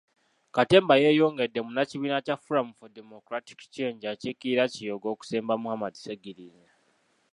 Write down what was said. Katemba yeeyongedde munnakibiina kya Forum for Democratic Change akiikirira Kiyoga okusemba Muhammad Sseggirinya.